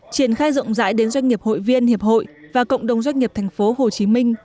triển khai rộng rãi đến doanh nghiệp hội viên hiệp hội và cộng đồng doanh nghiệp tp hcm